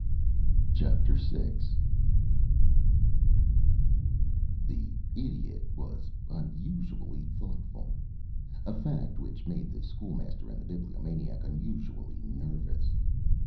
VI The Idiot was unusually thoughtful a fact which made the School Master and the Bibliomaniac unusually nervous.